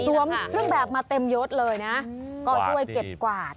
เครื่องแบบมาเต็มยดเลยนะก็ช่วยเก็บกวาด